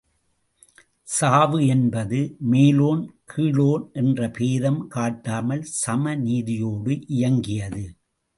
சாவு என்பது மேலோன் கீழோன் என்ற பேதம் காட்டாமல் சம நீதியோடு இயங்கியது.